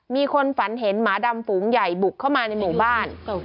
มีคนฝันเห็นหมาดำฝูงใหญ่บุกเข้ามาในหมู่บ้าน